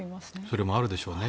それもあるでしょうね。